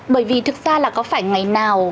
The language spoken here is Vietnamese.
bởi vì thực ra là có phải ngày nào